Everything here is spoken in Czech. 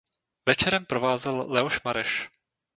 Večerem provázel Leoš Mareš.